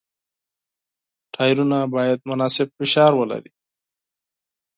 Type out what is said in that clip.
ټایرونه باید مناسب فشار ولري.